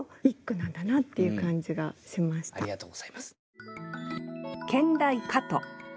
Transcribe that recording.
ありがとうございます。